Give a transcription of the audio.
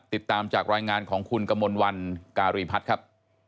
ติดตามจากรายงานของคุณกมลวันการีพัฒน์ครับ